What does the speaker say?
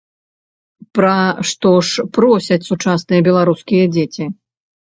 Пра што ж просяць сучасныя беларускія дзеці?